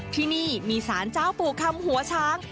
ที่นี่มีสารเจ้าปู่คำหัวช้าง